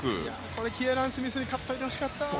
キエラン・スミスに勝っておいてほしかった。